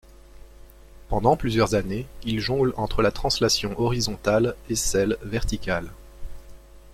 Pendant plusieurs années, il jongle entre la translation horizontale et celle verticale.